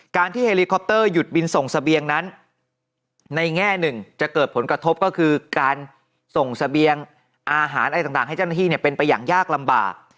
การที่เฮลิคอปเตอร์หยุดบินส่งเสบียงนั้นในแง่หนึ่งจะเกิดผลกระทบก็คือการส่งเสบียงอาหารอะไรต่างให้เจ้าหน้าที่เป็นไปอย่างยากลำบาก